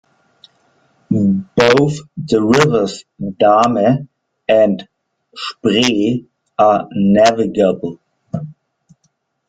Both the rivers Dahme and Spree are navigable.